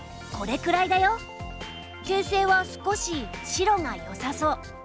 形勢は少し白がよさそう。